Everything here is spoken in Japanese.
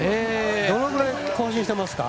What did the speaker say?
どのぐらい更新してますか？